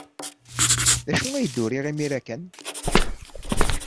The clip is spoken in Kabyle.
D acu ay d-uriɣ imir-a kan?